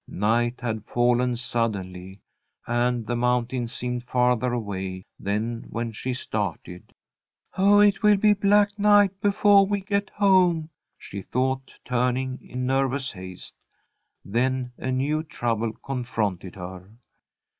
Night had fallen suddenly, and the mountain seemed farther away than when she started. "Oh, it will be black night befoah we get home," she thought, turning in nervous haste. Then a new trouble confronted her.